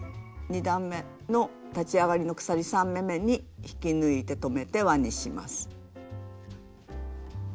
２段めの立ち上がりの鎖３目めに引き抜いて止めて輪にします。